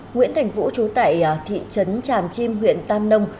nguyễn thành vũ trú tại thị trấn tràm chim huyện tam nông